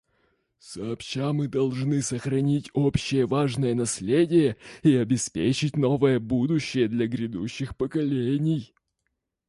Сообща мы должны сохранить общее важное наследие и обеспечить новое будущее для грядущих поколений.